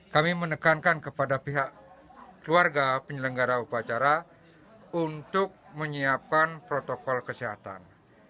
kami menekankan kepada pihak keluarga penyelenggara upacara untuk menyiapkan protokol kesehatan